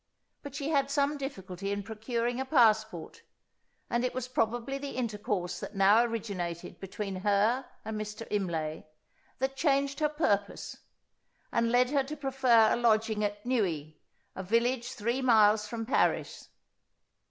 But she had some difficulty in procuring a passport; and it was probably the intercourse that now originated between her and Mr. Imlay, that changed her purpose, and led her to prefer a lodging at Neuilly, a village three miles from Paris.